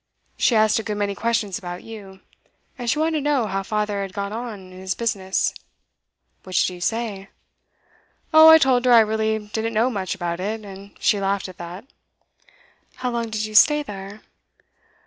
She asked a good many questions about you. And she wanted to know how father had got on in his business.' 'What did you say?' 'Oh, I told her I really didn't know much about it, and she laughed at that.' 'How long did you stay there?